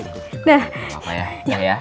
gak apa ya udah ya